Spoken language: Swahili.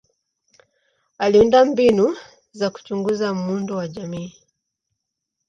Aliunda mbinu za kuchunguza muundo wa jamii.